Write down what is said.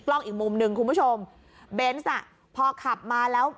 อีกมุมหนึ่งคุณผู้ชมเบนส์อ่ะพอขับมาแล้ว